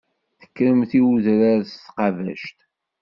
Tekkremt i wedrar s tqabact.